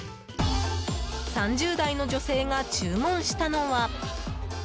３０代の女性が注文したのは。